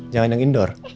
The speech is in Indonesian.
jangan yang indoor